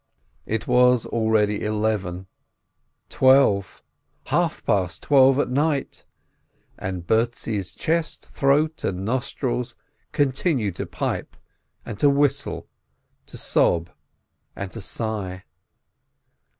VI It is already eleven, twelve, half past twelve at night, and Bertzi's chest, throat, and nostrils continue to pipe and to whistle, to sob and to sigh.